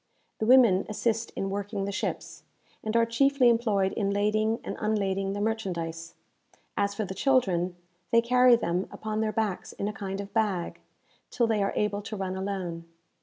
The women assist in working the ships, and are chiefly employed in lading and unlading the merchandise. As for the children, they carry them upon their backs in a kind of bag, till they are able to run alone.